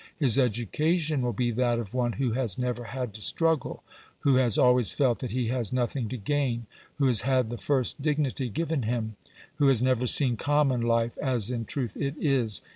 His education will be that of one who has never had to struggle; who has always felt that he has nothing to gain; who has had the first dignity given him; who has never seen common life as in truth it is.